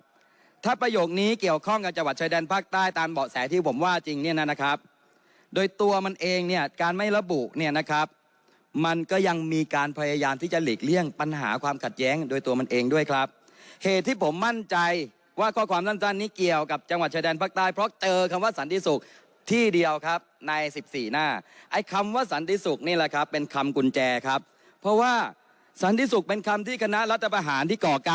อยู่เสมอครับถ้าประโยคนี้เกี่ยวข้องกับจังหวัดชายแดนภาคใต้ตามเบาะแสที่ผมว่าจริงเนี่ยนะครับโดยตัวมันเองเนี่ยการไม่ระบุเนี่ยนะครับมันก็ยังมีการพยายามที่จะหลีกเลี่ยงปัญหาความขัดแย้งโดยตัวมันเองด้วยครับเหตุที่ผมมั่นใจว่าข้อความสั้นสั้นนี้เกี่ยวกับจังหวัดชายแดนภาคใต้เพราะเจอค